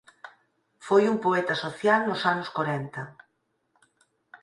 Foi un poeta social nos anos corenta.